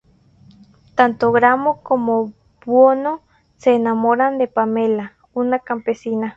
Tanto Gramo como Buono se enamoran de Pamela, una campesina.